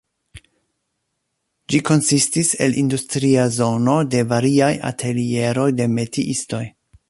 Ĝi konsistis el industria zono de variaj atelieroj de metiistoj.